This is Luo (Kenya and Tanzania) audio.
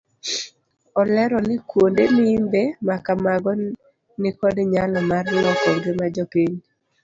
Olero ni kuonde limbe makamago nikod nyalo mar loko ngima jopiny.